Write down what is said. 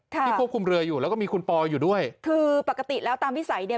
ที่ควบคุมเรืออยู่แล้วก็มีคุณปอยอยู่ด้วยคือปกติแล้วตามวิสัยเนี่ย